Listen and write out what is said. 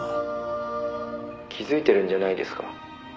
「気づいてるんじゃないですか？」